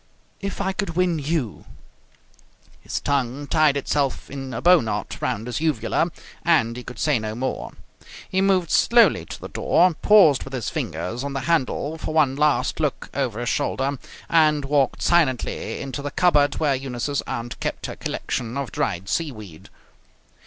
"If I could win you " His tongue tied itself in a bow knot round his uvula, and he could say no more. He moved slowly to the door, paused with his fingers on the handle for one last look over his shoulder, and walked silently into the cupboard where Eunice's aunt kept her collection of dried seaweed.